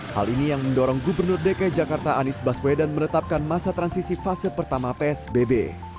hal ini yang mendorong gubernur dki jakarta anies baswedan menetapkan masa transisi fase pertama psbb